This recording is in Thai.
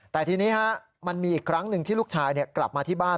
แต่ทีนี้มันมีอีกครั้งหนึ่งที่ลูกชายกลับมาที่บ้าน